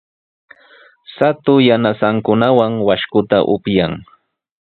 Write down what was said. Shatu yanasankunawan washkuta upyan.